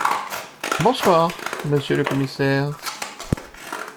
Bonsoir, monsieur le Commissaire…